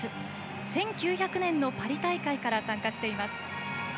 １９００年のパリ大会から参加しています。